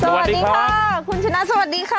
สวัสดีค่ะคุณชนะสวัสดีค่ะ